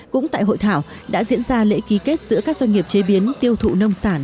cũng tại hội thảo đã diễn ra lễ ký kết giữa các doanh nghiệp chế biến tiêu thụ nông sản